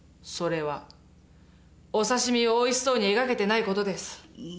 それはお刺身をおいしそうに描けてない事です。